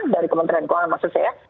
dari kementerian kuala masjid saya